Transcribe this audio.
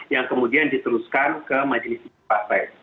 yang kemudian diteruskan ke majelis tinggi partai